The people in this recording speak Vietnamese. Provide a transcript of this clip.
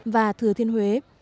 và thừa thiên huế